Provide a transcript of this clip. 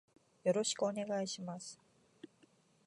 よろしくお願いします。